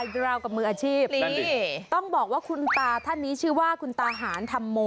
ราวกับมืออาชีพต้องบอกว่าคุณตาท่านนี้ชื่อว่าคุณตาหารธรรมโม